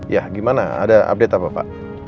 ya gimana ada update apa pak